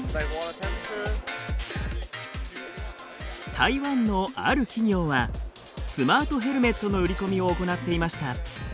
台湾のある企業はスマートヘルメットの売り込みを行っていました。